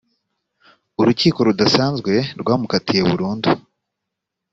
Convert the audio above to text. urukiko rudasanzwe rwamukatiye burundu